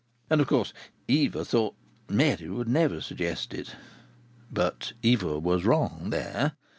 And of course, Eva thought, Mary will never, never suggest it. But Eva was wrong there.